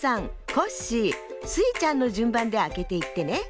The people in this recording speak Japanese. コッシースイちゃんのじゅんばんであけていってね。